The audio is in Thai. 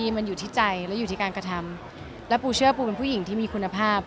มันอยู่ที่ใจแล้วอยู่ที่การกระทำแล้วปูเชื่อปูเป็นผู้หญิงที่มีคุณภาพ